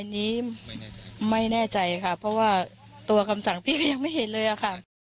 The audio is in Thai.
อันนี้ไม่แน่ใจค่ะเพราะว่าตัวคำสั่งพี่ก็ยังไม่เห็นเลยอะค่ะ